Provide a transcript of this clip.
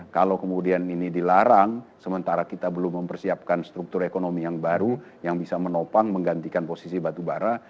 kalau kemudian ini dilarang sementara kita belum mempersiapkan struktur ekonomi yang baru yang bisa menopang menggantikan posisi batu bara